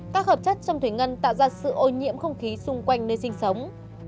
các hợp chất trong thủy ngân tạo ra sự ô nhiễm không khí xung quanh nơi sinh sống